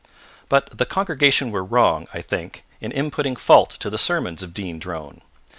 But the congregation were wrong, I think, in imputing fault to the sermons of Dean Drone.